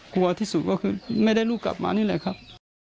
กลัวที่สุดก็คือไม่ได้ลูกกลับมานี่แหละครับ